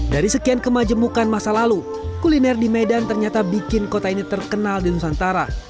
dari sekian kemajemukan masa lalu kuliner di medan ternyata bikin kota ini terkenal di nusantara